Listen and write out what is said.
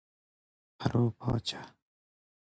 پر وپاچه